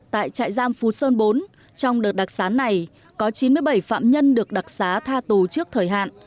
tại trại giam phú sơn bốn trong đợt đặc xá này có chín mươi bảy phạm nhân được đặc xá tha tù trước thời hạn